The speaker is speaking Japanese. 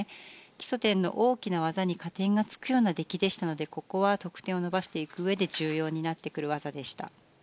基礎点の大きな技に加点がつくような出来でしたのでここは得点を伸ばしていくうえで重要になってくる技でした。